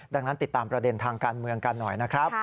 ดังนั้นติดตามประเด็นทางการเมืองกันหน่อยนะครับ